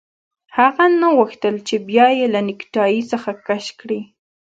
هغه نه غوښتل چې بیا یې له نیکټايي څخه کش کړي